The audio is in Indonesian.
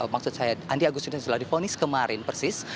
maksud saya andi agustinus sudah difonis kemarin persis